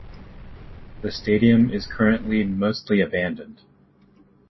The stadium is currently mostly abandoned.